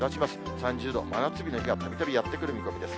３０度、真夏日の日がたびたびやって来ます。